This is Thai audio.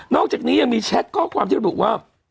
อกจากนี้ยังมีแชทข้อความที่ระบุว่า